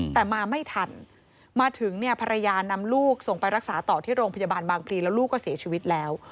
แต่มาไม่ทันมาถึงเนี่ยภรรยานำลูกส่งไปรักษาต่อที่โรงพยาบาลบางพลีแล้วลูกก็เสียชีวิตแล้ว